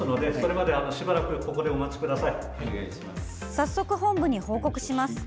早速、本部に報告します。